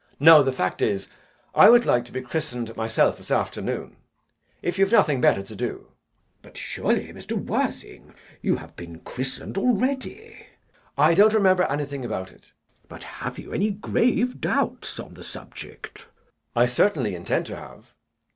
No! the fact is, I would like to be christened myself, this afternoon, if you have nothing better to do. CHASUBLE. But surely, Mr. Worthing, you have been christened already? JACK. I don't remember anything about it. CHASUBLE. But have you any grave doubts on the subject? JACK. I certainly intend to have.